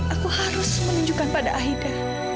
aku harus menunjukkan pada aida